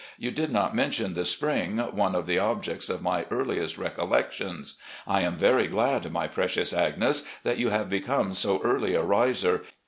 You did not mention the spring, one of the objects of my earliest recollections. I am very glad, my precious Agnes, that you have become so early a riser.